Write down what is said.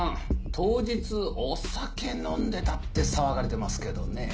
当日お酒飲んでたって騒がれてますけどねぇ。